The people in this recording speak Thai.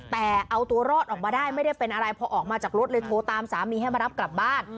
แต่เอาตัวรอดออกมาได้ไม่ได้เป็นอะไรพอออกมาจากรถเลยโทรตามสามีให้มารับกลับบ้าน